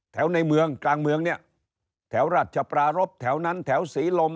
ในเมืองกลางเมืองเนี่ยแถวราชปรารบแถวนั้นแถวศรีลม